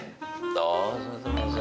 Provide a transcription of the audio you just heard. どうぞどうぞ。